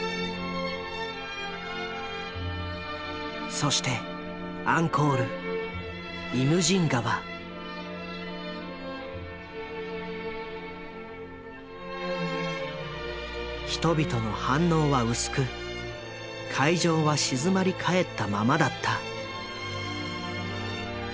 そしてアンコール人々の反応は薄く会場は静まり返ったままだった。